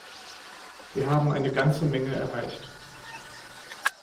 Wir haben eine ganze Menge erreicht.